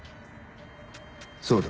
そうだ。